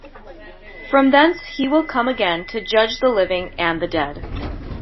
From thence He will come again to judge the living and the dead.